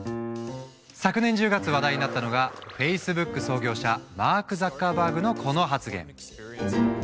昨年１０月話題になったのがフェイスブック創業者マーク・ザッカーバーグのこの発言。